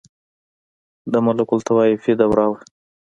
• د ملوکالطوایفي دوره وه.